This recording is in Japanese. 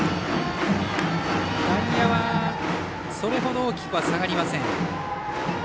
外野はそれほど大きくは下がりません。